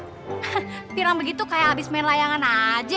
heh bilang begitu kayak abis main layangan aja